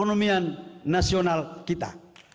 untuk ekonomi nasional kita